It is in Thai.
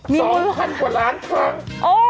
สองพันกว่าล้านครั้ง